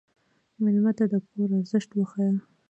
مېلمه ته د کور ارزښت وښیه.